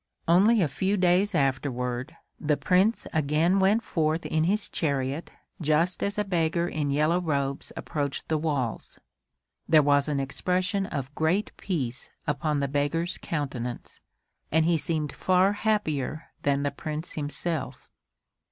Only a few days afterward, the Prince again went forth in his chariot just as a beggar in yellow robes approached the walls. There was an expression of great peace upon the beggar's countenance, and he seemed far happier than the Prince himself.